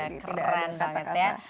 keren banget ya